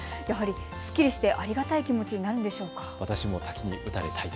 やはりすっきりしてありがたい気持ちになるんでしょうか。